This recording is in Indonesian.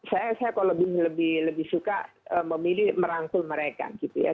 saya kalau lebih suka memilih merangkul mereka gitu ya